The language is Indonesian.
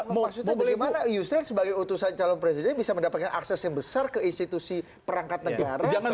maksudnya bagaimana yusril sebagai utusan calon presiden bisa mendapatkan akses yang besar ke institusi perangkat negara